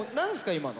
今の。